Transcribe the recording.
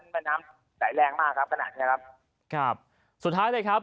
แม่น้ำไหลแรงมากครับขนาดเนี้ยครับครับสุดท้ายเลยครับ